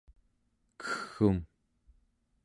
kegg'um